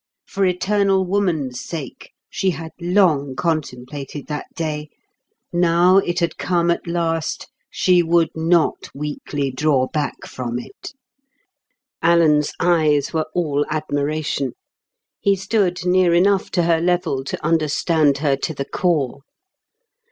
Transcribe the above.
For eternal woman's sake she had long contemplated that day; now it had come at last, she would not weakly draw back from it. Alan's eyes were all admiration. He stood near enough to her level to understand her to the core.